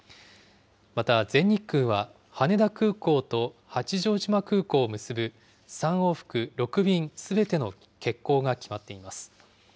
また全日空は、羽田空港と八丈島空港を結ぶ３往復６便すべての欠航が決まっています。